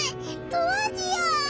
どうしよう！